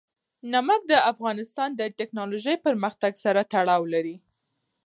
نمک د افغانستان د تکنالوژۍ پرمختګ سره تړاو لري.